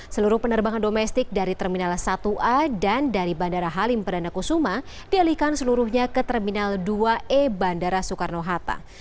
seluruh penerbangan domestik dari terminal satu a dan dari bandara halim perdana kusuma dialihkan seluruhnya ke terminal dua e bandara soekarno hatta